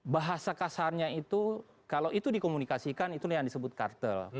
bahasa kasarnya itu kalau itu dikomunikasikan itu yang disebut kartel